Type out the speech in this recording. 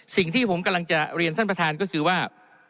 สิ่งที่ผมกำลังจะเรียนท่านประธานก็คือว่า